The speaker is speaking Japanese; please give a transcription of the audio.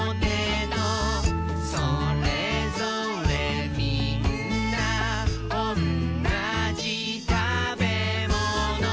「それぞれみんなおんなじたべもの」